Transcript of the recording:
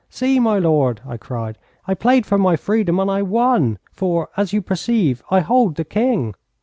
'See, my lord!' I cried; 'I played for my freedom and I won, for, as you perceive, I hold the king.'